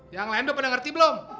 yang lain dope anda ngerti belum